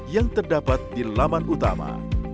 yang terdapat di laman utama